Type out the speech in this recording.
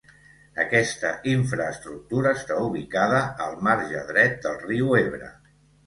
Aquesta infraestructura està ubicada a marge dret del riu Ebre.